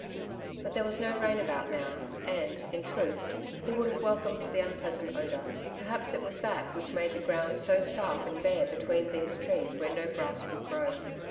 But there was no rain about now, and, in truth, he would have welcomed the unpleasant odour. Perhaps it was that which made the ground so stark and bare beneath these trees where no grass will grow.